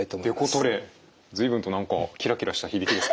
随分と何かキラキラした響きですが。